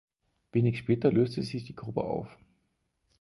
Wenig später löste sich die Gruppe auf.